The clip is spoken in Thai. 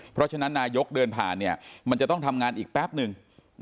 เพราะฉะนั้นนายกเดินผ่านมันจะต้องทำงานอีกแป๊บหนึ่ง